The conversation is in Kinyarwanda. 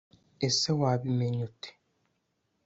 ese wabimenya ute